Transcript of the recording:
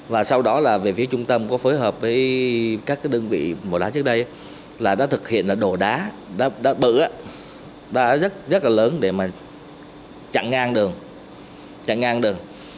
và sau đó là về phía trung tâm có phối hợp với các đơn vị mổ đá trước đây là đã thực hiện là đổ đá đổ đá bự đổ đá rất là lớn để mà chặn ngang đường chặn ngang đường